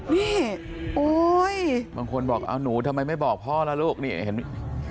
นี่โอ๊ยบางคนบอกเอาหนูทำไมไม่บอกพ่อล่ะลูกนี่เห็นไหม